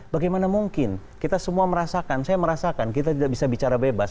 bagaimana mungkin kita semua merasakan saya merasakan kita tidak bisa bicara bebas